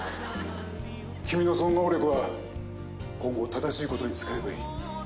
君のその能力は今後正しいことに使えばいい。